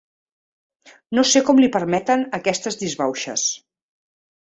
No sé com li permeten aquestes disbauxes.